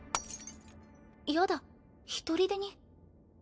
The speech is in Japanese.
やだひとりでに。